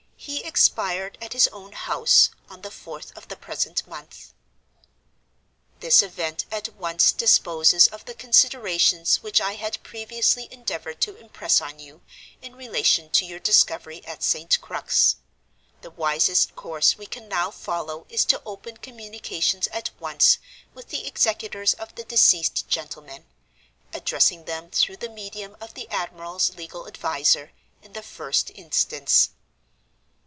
He expired at his own house, on the fourth of the present month. "This event at once disposes of the considerations which I had previously endeavored to impress on you, in relation to your discovery at St. Crux. The wisest course we can now follow is to open communications at once with the executors of the deceased gentleman; addressing them through the medium of the admiral's legal adviser, in the first instance.